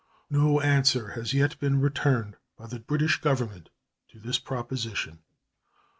No answer has yet been returned by the British Government to this proposition.